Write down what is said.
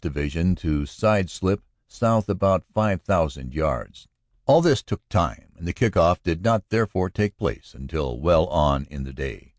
Division to side slip south about 5,000 yards. All this took time and the kick off did not therefore take place until well on in the day.